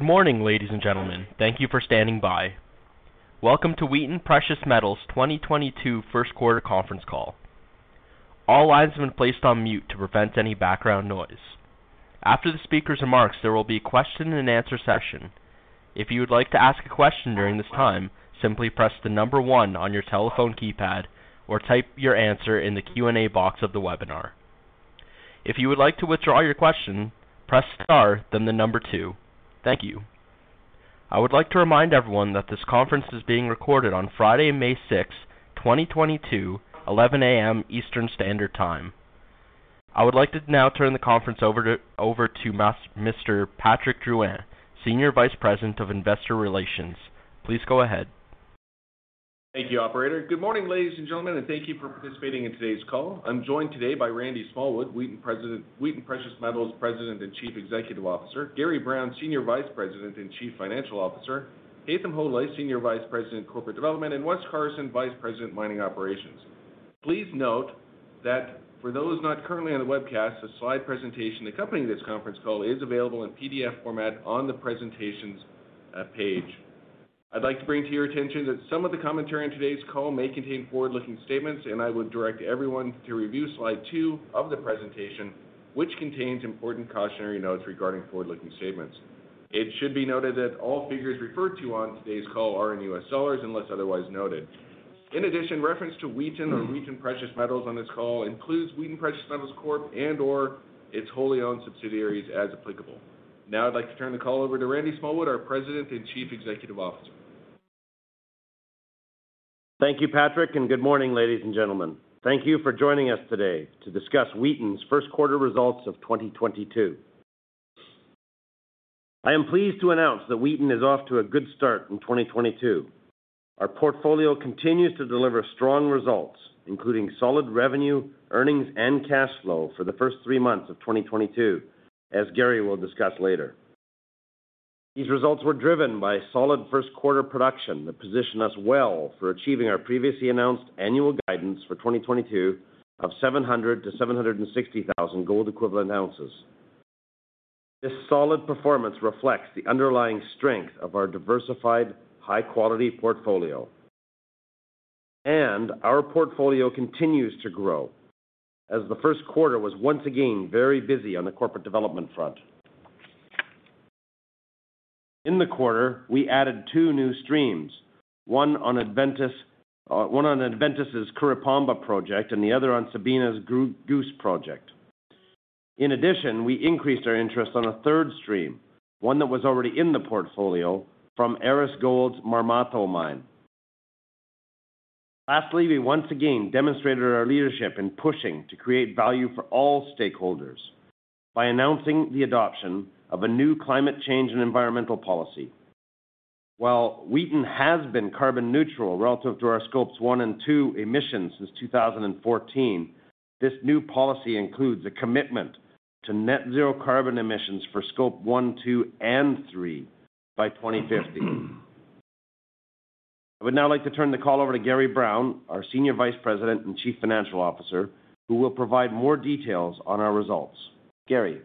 Good morning, ladies and gentlemen. Thank you for standing by. Welcome to Wheaton Precious Metals 2022 first quarter conference call. All lines have been placed on mute to prevent any background noise. After the speaker's remarks, there will be a question and answer session. If you would like to ask a question during this time, simply press one on your telephone keypad or type your answer in the Q&A box of the webinar. If you would like to withdraw your question, press star, then number two. Thank you. I would like to remind everyone that this conference is being recorded on Friday, May sixth, 2022, 11 A.M. Eastern Standard Time. I would like to now turn the conference over to Mr. Patrick Drouin, Senior Vice President of Investor Relations. Please go ahead. Thank you, operator. Good morning, ladies and gentlemen, and thank you for participating in today's call. I'm joined today by Randy Smallwood, Wheaton Precious Metals President and Chief Executive Officer, Gary Brown, Senior Vice President and Chief Financial Officer, Haytham Hodaly, Senior Vice President, Corporate Development, and Wes Carson, Vice President, Mining Operations. Please note that for those not currently on the webcast, a slide presentation accompanying this conference call is available in PDF format on the presentations page. I'd like to bring to your attention that some of the commentary on today's call may contain forward-looking statements, and I would direct everyone to review slide two of the presentation, which contains important cautionary notes regarding forward-looking statements. It should be noted that all figures referred to on today's call are in U.S. dollars, unless otherwise noted. In addition, reference to Wheaton or Wheaton Precious Metals on this call includes Wheaton Precious Metals Corp. and/or its wholly owned subsidiaries as applicable. Now I'd like to turn the call over to Randy Smallwood, our President and Chief Executive Officer. Thank you, Patrick, and good morning, ladies and gentlemen. Thank you for joining us today to discuss Wheaton's first quarter results of 2022. I am pleased to announce that Wheaton is off to a good start in 2022. Our portfolio continues to deliver strong results, including solid revenue, earnings, and cash flow for the first three months of 2022, as Gary will discuss later. These results were driven by solid first quarter production that positioned us well for achieving our previously announced annual guidance for 2022 of 700-760,000 gold equivalent ounces. This solid performance reflects the underlying strength of our diversified high-quality portfolio. Our portfolio continues to grow as the first quarter was once again very busy on the corporate development front. In the quarter, we added two new streams, one on Adventus' Curipamba project and the other on Sabina's Goose project. In addition, we increased our interest on a third stream, one that was already in the portfolio from Aris Gold's Marmato mine. Lastly, we once again demonstrated our leadership in pushing to create value for all stakeholders by announcing the adoption of a new climate change and environmental policy. While Wheaton has been carbon neutral relative to our Scope 1 and 2 emissions since 2014, this new policy includes a commitment to net zero carbon emissions for Scope 1, 2, and 3 by 2050. I would now like to turn the call over to Gary Brown, our Senior Vice President and Chief Financial Officer, who will provide more details on our results. Gary.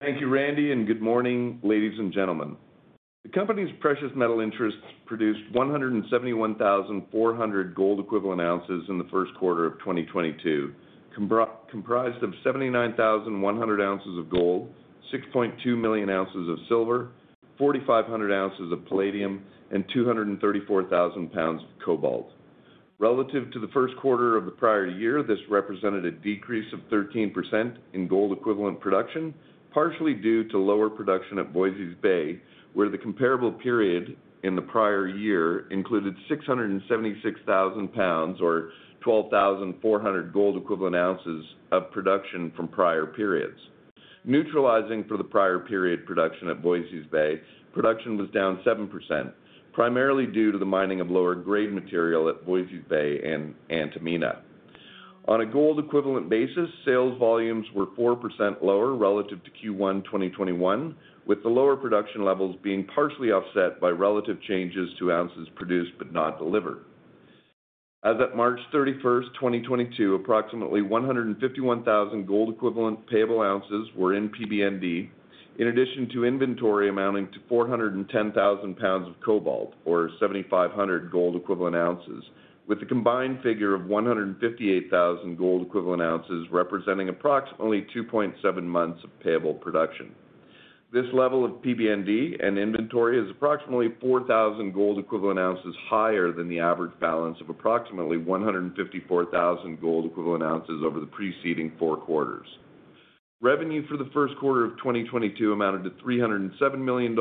Thank you, Randy, and good morning, ladies and gentlemen. The company's precious metal interests produced 171,400 gold equivalent ounces in the first quarter of 2022, comprised of 79,100 ounces of gold, 6.2 million ounces of silver, 4,500 ounces of palladium, and 234,000 pounds of cobalt. Relative to the first quarter of the prior year, this represented a decrease of 13% in gold equivalent production, partially due to lower production at Voisey's Bay, where the comparable period in the prior year included 676,000 pounds or 12,400 gold equivalent ounces of production from prior periods. Neutralizing for the prior period production at Voisey's Bay, production was down 7%, primarily due to the mining of lower grade material at Voisey's Bay and Antamina. On a gold equivalent basis, sales volumes were 4% lower relative to Q1 2021, with the lower production levels being partially offset by relative changes to ounces produced but not delivered. As of March 31, 2022, approximately 151,000 gold equivalent payable ounces were in PBND, in addition to inventory amounting to 410,000 pounds of cobalt, or 7,500 gold equivalent ounces, with a combined figure of 158,000 gold equivalent ounces, representing approximately 2.7 months of payable production. This level of PBND and inventory is approximately 4,000 gold equivalent ounces higher than the average balance of approximately 154,000 gold equivalent ounces over the preceding four quarters. Revenue for the first quarter of 2022 amounted to $307 million,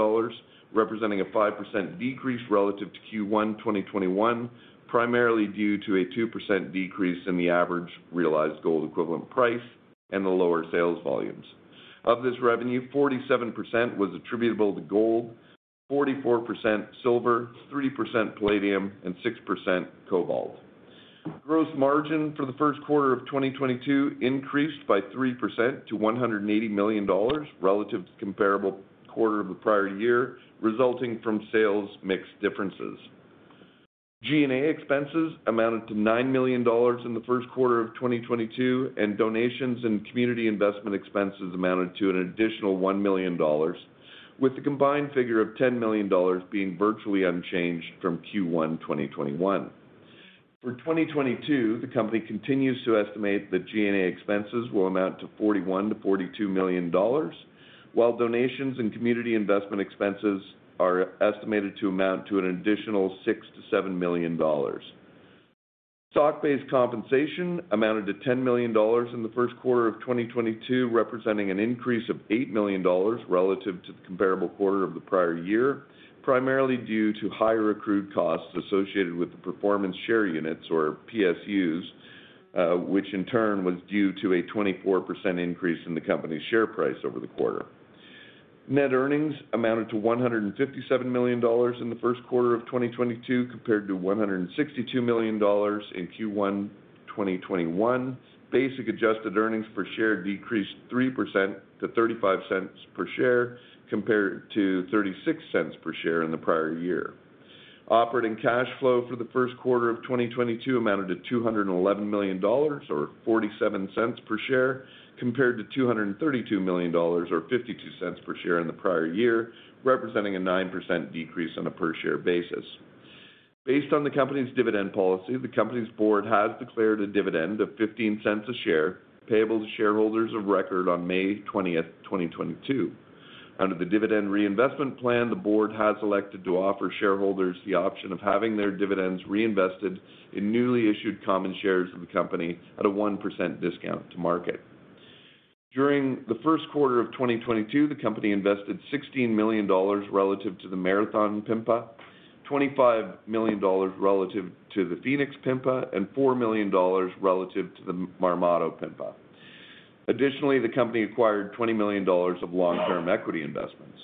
representing a 5% decrease relative to Q1 2021, primarily due to a 2% decrease in the average realized gold equivalent price and the lower sales volumes. Of this revenue, 47% was attributable to gold, 44% silver, 3% palladium, and 6% cobalt. Gross margin for the first quarter of 2022 increased by 3% to $180 million relative to comparable quarter of the prior year, resulting from sales mix differences. G&A expenses amounted to $9 million in the first quarter of 2022, and donations and community investment expenses amounted to an additional $1 million, with the combined figure of $10 million being virtually unchanged from Q1 2021. For 2022, the company continues to estimate that G&A expenses will amount to $41 million-$42 million, while donations and community investment expenses are estimated to amount to an additional $6 million-$7 million. Stock-based compensation amounted to $10 million in the first quarter of 2022, representing an increase of $8 million relative to the comparable quarter of the prior year, primarily due to higher accrued costs associated with the performance share units or PSUs, which in turn was due to a 24% increase in the company's share price over the quarter. Net earnings amounted to $157 million in the first quarter of 2022, compared to $162 million in Q1 2021. Basic adjusted earnings per share decreased 3% to $0.35 per share, compared to $0.36 per share in the prior year. Operating cash flow for the first quarter of 2022 amounted to $211 million or $0.47 per share, compared to $232 million or $0.52 per share in the prior year, representing a 9% decrease on a per share basis. Based on the company's dividend policy, the company's board has declared a dividend of $0.15 a share payable to shareholders of record on May 20, 2022. Under the dividend reinvestment plan, the board has elected to offer shareholders the option of having their dividends reinvested in newly issued common shares of the company at a 1% discount to market. During the first quarter of 2022, the company invested $16 million relative to the Marathon PMPA, $25 million relative to the Phoenix PMPA, and $4 million relative to the Marmato PMPA. Additionally, the company acquired $20 million of long-term equity investments.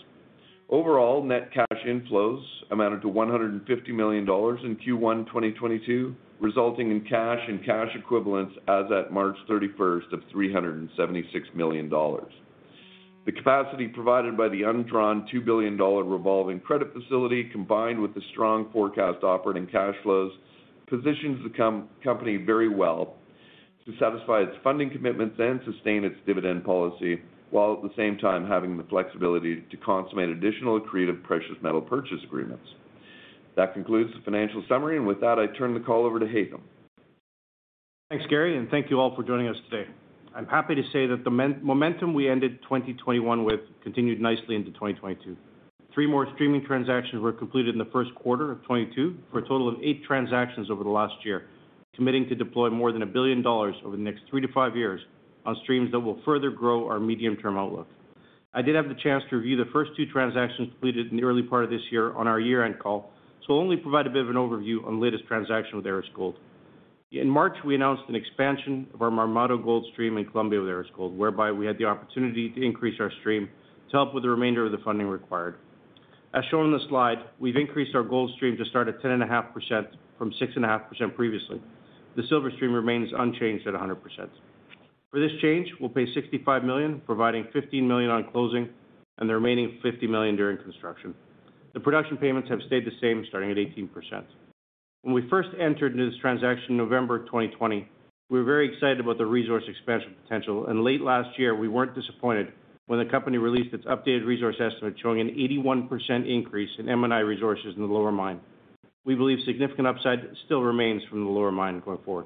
Overall, net cash inflows amounted to $150 million in Q1 2022, resulting in cash and cash equivalents as at March 31 of $376 million. The capacity provided by the undrawn $2 billion revolving credit facility, combined with the strong forecast operating cash flows, positions the company very well to satisfy its funding commitments and sustain its dividend policy, while at the same time having the flexibility to consummate additional accretive precious metal purchase agreements. That concludes the financial summary, and with that, I turn the call over to Haytham. Thanks, Gary, and thank you all for joining us today. I'm happy to say that the momentum we ended 2021 with continued nicely into 2022. Three more streaming transactions were completed in the first quarter of 2022 for a total of eight transactions over the last year, committing to deploy more than $1 billion over the next three to five years on streams that will further grow our medium-term outlook. I did have the chance to review the first two transactions completed in the early part of this year on our year-end call, so I'll only provide a bit of an overview on the latest transaction with Aris Gold. In March, we announced an expansion of our Marmato gold stream in Colombia with Aris Gold, whereby we had the opportunity to increase our stream to help with the remainder of the funding required. As shown on the slide, we've increased our gold stream to start at 10.5% from 6.5% previously. The silver stream remains unchanged at 100%. For this change, we'll pay $65 million, providing $15 million on closing and the remaining $50 million during construction. The production payments have stayed the same, starting at 18%. When we first entered into this transaction in November of 2020, we were very excited about the resource expansion potential, and late last year, we weren't disappointed when the company released its updated resource estimate, showing an 81% increase in M&I resources in the lower mine. We believe significant upside still remains from the lower mine going forward.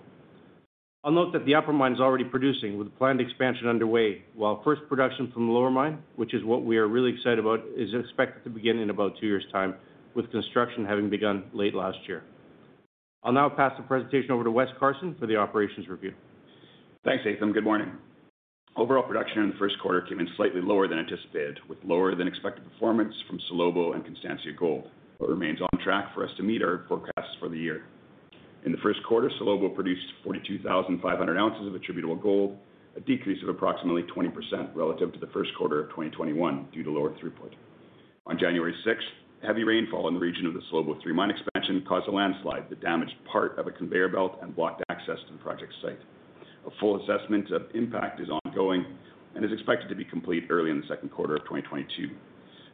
I'll note that the upper mine is already producing with the planned expansion underway, while first production from the lower mine, which is what we are really excited about, is expected to begin in about two years' time, with construction having begun late last year. I'll now pass the presentation over to Wes Carson for the operations review. Thanks, Haytham. Good morning. Overall production in the first quarter came in slightly lower than anticipated, with lower than expected performance from Salobo and Constancia, but remains on track for us to meet our forecasts for the year. In the first quarter, Salobo produced 42,500 ounces of attributable gold, a decrease of approximately 20% relative to the first quarter of 2021 due to lower throughput. On January 6, heavy rainfall in the region of the Salobo III mine expansion caused a landslide that damaged part of a conveyor belt and blocked access to the project site. A full assessment of impact is ongoing and is expected to be complete early in the second quarter of 2022.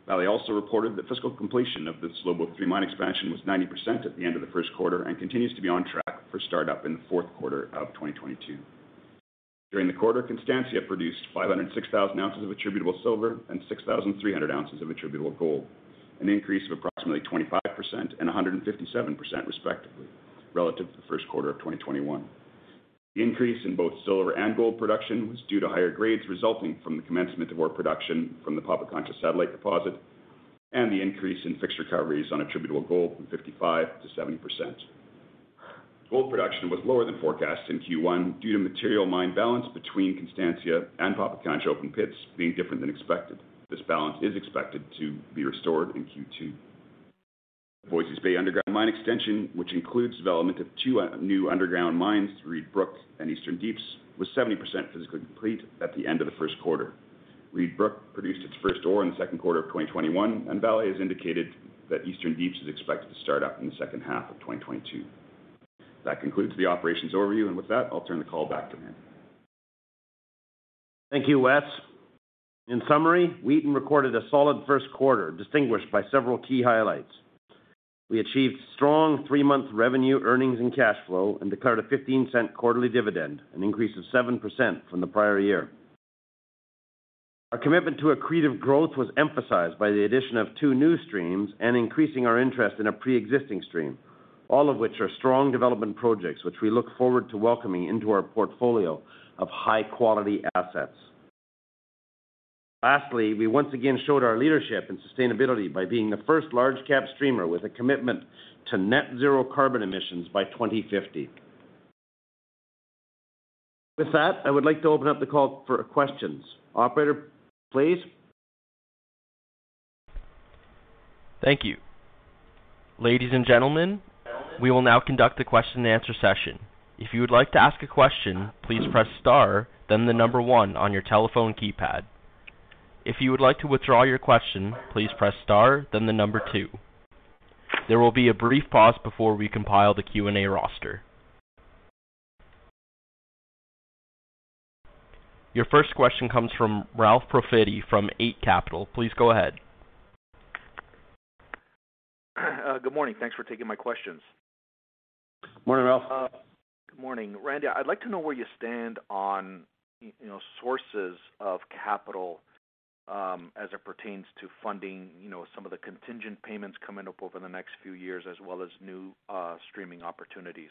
Vale also reported that physical completion of the Salobo III mine expansion was 90% at the end of the first quarter and continues to be on track for startup in the fourth quarter of 2022. During the quarter, Constancia produced 506,000 ounces of attributable silver and 6,300 ounces of attributable gold, an increase of approximately 25% and 157% respectively relative to the first quarter of 2021. The increase in both silver and gold production was due to higher grades resulting from the commencement of ore production from the Pampacancha satellite deposit and the increase in fixed recoveries on attributable gold from 55% to 70%. Gold production was lower than forecast in Q1 due to material imbalance between Constancia and Pampacancha open pits being different than expected. This balance is expected to be restored in Q2. Voisey's Bay underground mine extension, which includes development of two new underground mines, Reid Brook and Eastern Deeps, was 70% physically complete at the end of the first quarter. Reed Brook produced its first ore in the second quarter of 2021, and Vale has indicated that Eastern Deeps is expected to start up in the second half of 2022. That concludes the operations overview, and with that, I'll turn the call back to Haytham. Thank you, Wes. In summary, Wheaton recorded a solid first quarter distinguished by several key highlights. We achieved strong three-month revenue earnings and cash flow and declared a $0.15 quarterly dividend, an increase of 7% from the prior year. Our commitment to accretive growth was emphasized by the addition of two new streams and increasing our interest in a pre-existing stream, all of which are strong development projects, which we look forward to welcoming into our portfolio of high-quality assets. Lastly, we once again showed our leadership and sustainability by being the first large cap streamer with a commitment to net zero carbon emissions by 2050. With that, I would like to open up the call for questions. Operator, please. Thank you. Ladies and gentlemen, we will now conduct a question-and-answer session. If you would like to ask a question, please press star then the number one on your telephone keypad. If you would like to withdraw your question, please press star then the number two. There will be a brief pause before we compile the Q&A roster. Your first question comes from Ralph Profiti from Eight Capital. Please go ahead. Good morning. Thanks for taking my questions. Morning, Ralph. Good morning. Randy, I'd like to know where you stand on, you know, sources of capital, as it pertains to funding, you know, some of the contingent payments coming up over the next few years as well as new streaming opportunities.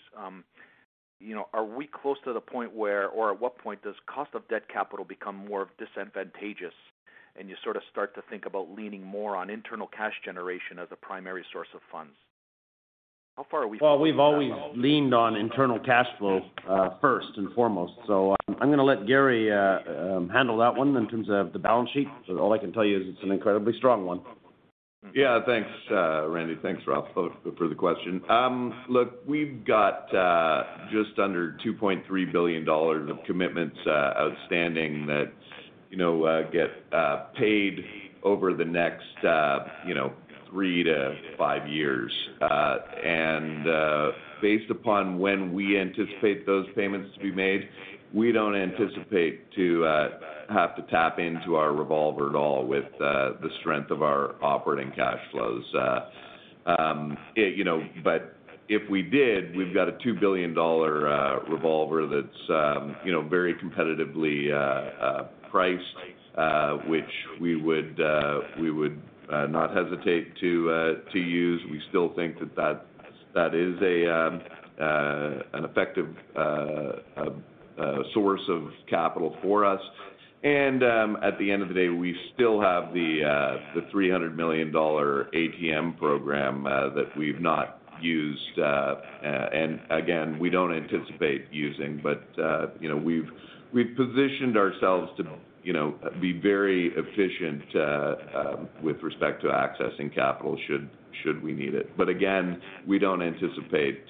You know, are we close to the point or at what point does cost of debt capital become more disadvantageous and you sort of start to think about leaning more on internal cash generation as a primary source of funds? How far are we from that level? Well, we've always leaned on internal cash flow, first and foremost. I'm gonna let Gary handle that one in terms of the balance sheet. All I can tell you is it's an incredibly strong one. Yeah. Thanks, Randy. Thanks, Ralph, for the question. Look, we've got just under $2.3 billion of commitments outstanding that, you know, get paid over the next, you know, three-five years. Based upon when we anticipate those payments to be made, we don't anticipate to have to tap into our revolver at all with the strength of our operating cash flows. You know, but if we did, we've got a $2 billion revolver that's, you know, very competitively priced, which we would not hesitate to use. We still think that that is an effective source of capital for us. At the end of the day, we still have the $300 million ATM program that we've not used. And again, we don't anticipate using, but you know, we've positioned ourselves to you know, be very efficient with respect to accessing capital should we need it. But again, we don't anticipate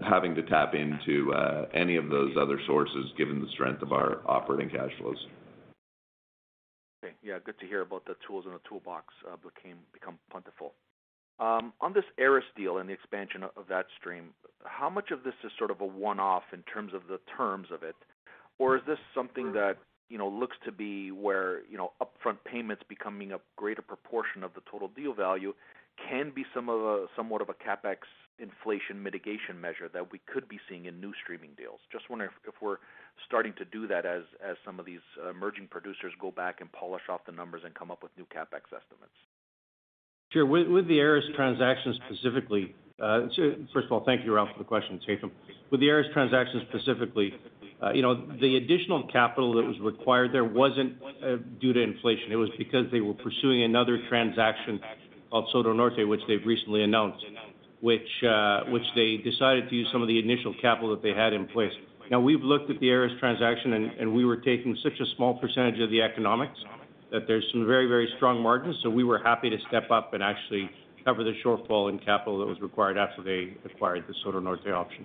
having to tap into any of those other sources given the strength of our operating cash flows. Okay. Yeah, good to hear about the tools in the toolbox, become plentiful. On this Aris deal and the expansion of that stream, how much of this is sort of a one-off in terms of the terms of it? Or is this something that- Sure... you know, looks to be where, you know, upfront payments becoming a greater proportion of the total deal value can be somewhat of a CapEx inflation mitigation measure that we could be seeing in new streaming deals? Just wondering if we're starting to do that as some of these emerging producers go back and polish off the numbers and come up with new CapEx estimates. Sure. With the Aris transaction specifically, so first of all, thank you, Ralph, for the question. With the Aris transaction specifically, you know, the additional capital that was required there wasn't due to inflation. It was because they were pursuing another transaction called Soto Norte, which they've recently announced, which they decided to use some of the initial capital that they had in place. Now, we've looked at the Aris transaction, and we were taking such a small percentage of the economics that there's some very strong margins. So we were happy to step up and actually cover the shortfall in capital that was required after they acquired the Soto Norte option.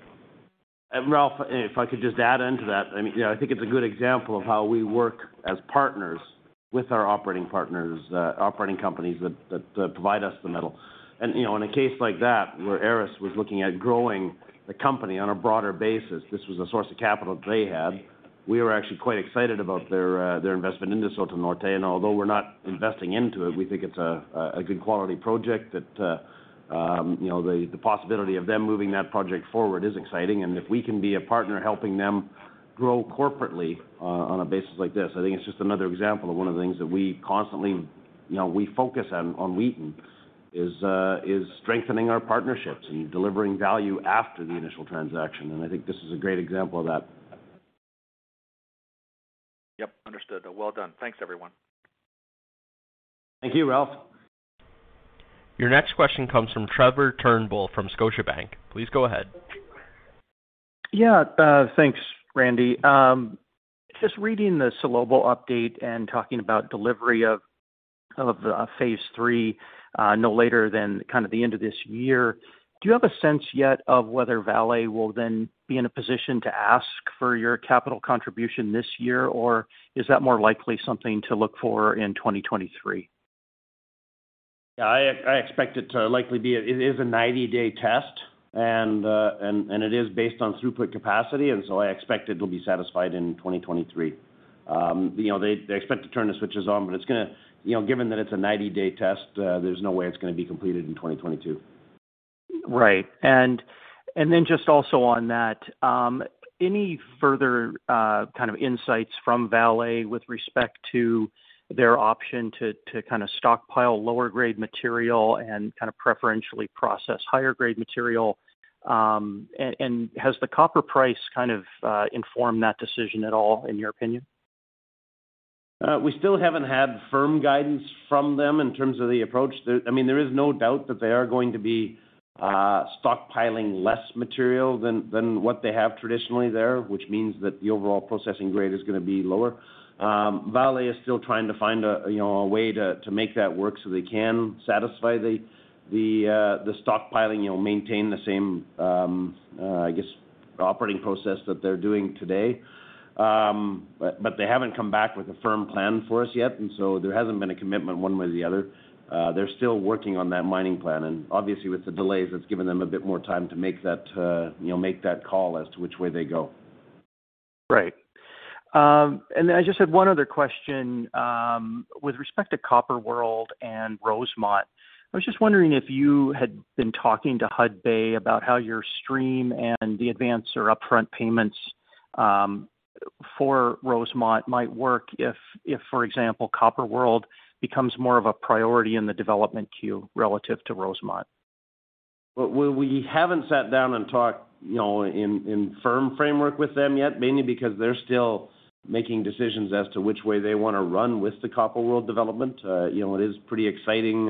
Ralph, if I could just add into that. I mean, you know, I think it's a good example of how we work as partners with our operating partners, operating companies that provide us the metal. You know, in a case like that, where Aris was looking at growing the company on a broader basis, this was a source of capital they had. We were actually quite excited about their investment into Soto Norte. Although we're not investing into it, we think it's a good quality project that, you know, the possibility of them moving that project forward is exciting. If we can be a partner helping them grow corporately on a basis like this, I think it's just another example of one of the things that we constantly, you know, we focus on Wheaton is strengthening our partnerships and delivering value after the initial transaction. I think this is a great example of that. Yep, understood. Well done. Thanks, everyone. Thank you, Ralph. Your next question comes from Trevor Turnbull from Scotiabank. Please go ahead. Yeah. Thanks, Randy. Just reading the Salobo update and talking about delivery of phase three no later than kind of the end of this year. Do you have a sense yet of whether Vale will then be in a position to ask for your capital contribution this year, or is that more likely something to look for in 2023? Yeah, I expect it to likely be a 90-day test and it is based on throughput capacity, and so I expect it'll be satisfied in 2023. You know, they expect to turn the switches on, but it's gonna, you know, given that it's a 90-day test, there's no way it's gonna be completed in 2022. Right. Then just also on that, any further kind of insights from Vale with respect to their option to kind of stockpile lower grade material and kind of preferentially process higher grade material? Has the copper price kind of informed that decision at all, in your opinion? We still haven't had firm guidance from them in terms of the approach. I mean, there is no doubt that they are going to be stockpiling less material than what they have traditionally there, which means that the overall processing grade is gonna be lower. Vale is still trying to find a way to make that work so they can satisfy the stockpiling, you know, maintain the same operating process that they're doing today. But they haven't come back with a firm plan for us yet, and so there hasn't been a commitment one way or the other. They're still working on that mining plan, and obviously with the delays, it's given them a bit more time to make that, you know, make that call as to which way they go. I just had one other question. With respect to Copper World and Rosemont, I was just wondering if you had been talking to Hudbay about how your stream and the advance or upfront payments for Rosemont might work if, for example, Copper World becomes more of a priority in the development queue relative to Rosemont. We haven't sat down and talked, you know, in firm framework with them yet, mainly because they're still making decisions as to which way they wanna run with the Copper World development. You know, it is pretty exciting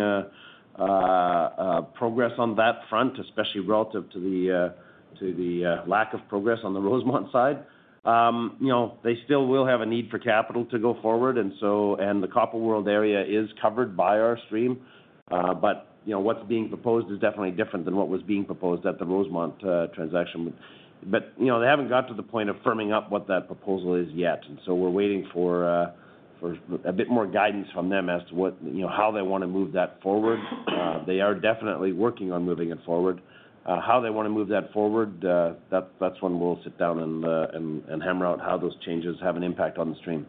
progress on that front, especially relative to the lack of progress on the Rosemont side. You know, they still will have a need for capital to go forward, and the Copper World area is covered by our stream. You know, what's being proposed is definitely different than what was being proposed at the Rosemont transaction. You know, they haven't got to the point of firming up what that proposal is yet, and so we're waiting for a bit more guidance from them as to what, you know, how they wanna move that forward. They are definitely working on moving it forward. How they wanna move that forward, that's when we'll sit down and hammer out how those changes have an impact on the stream.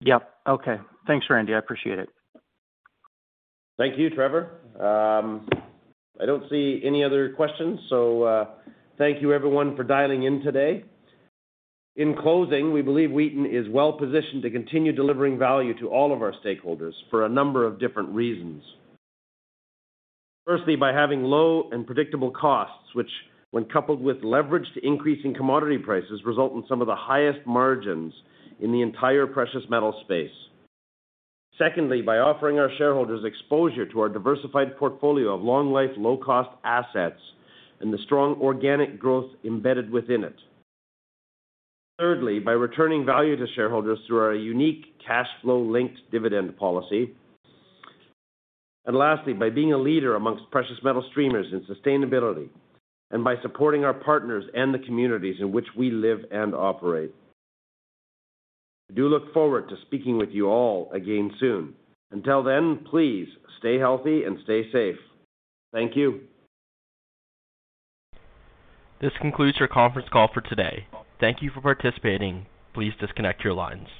Yep. Okay. Thanks, Randy. I appreciate it. Thank you, Trevor. I don't see any other questions, so, thank you everyone for dialing in today. In closing, we believe Wheaton is well positioned to continue delivering value to all of our stakeholders for a number of different reasons. Firstly, by having low and predictable costs, which when coupled with leverage to increasing commodity prices, result in some of the highest margins in the entire precious metal space. Secondly, by offering our shareholders exposure to our diversified portfolio of long life, low cost assets and the strong organic growth embedded within it. Thirdly, by returning value to shareholders through our unique cash flow linked dividend policy. Lastly, by being a leader amongst precious metal streamers in sustainability and by supporting our partners and the communities in which we live and operate. I do look forward to speaking with you all again soon. Until then, please stay healthy and stay safe. Thank you. This concludes your conference call for today. Thank you for participating. Please disconnect your lines.